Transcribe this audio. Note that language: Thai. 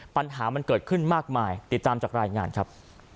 ปัญหามันเกิดขึ้นมากมายติดตามจากรายงานครับ